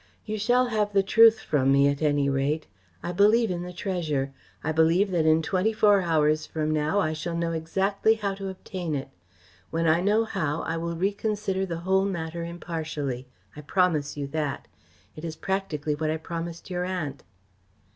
You shall have the truth from me, at any rate. I believe in the treasure. I believe that in twenty four hours from now I shall know exactly how to obtain it. When I know how, I will reconsider the whole matter impartially. I promise you that. It is practically what I promised your aunt."